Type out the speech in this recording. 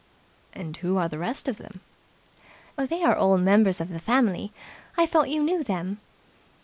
"And who are the rest of them?" "They are all members of the family. I thought you knew them."